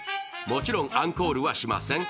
もちろんアンコールはしません。